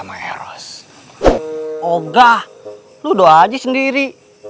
doa aja sendiri